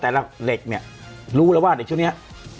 แต่ละเด็กเนี่ยรู้แล้วว่าเด็กช่วงเนี่ย